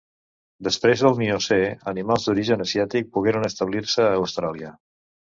Després del Miocè, animals d'origen asiàtic pogueren establir-se a Austràlia.